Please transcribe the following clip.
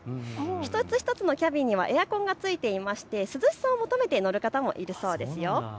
一つ一つのキャビンにはエアコンが付いていまして涼しさを求めて乗る方もいるそうですよ。